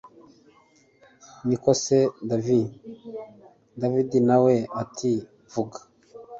niko se davi david nawe ati vuga